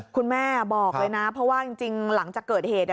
คุณแม่บอกเลยนะเพราะว่าจริงหลังจากเกิดเหตุ